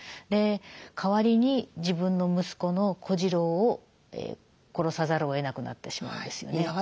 で代わりに自分の息子の小次郎を殺さざるをえなくなってしまうんですよね。